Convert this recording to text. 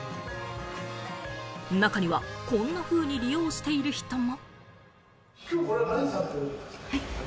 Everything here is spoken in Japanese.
中には、こんなふうに利用している人も。